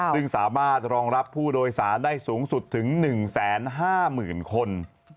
ซึ่งสามารถรองรับผู้โดยสารได้สูงสุดถึง๑๕๐๐๐คน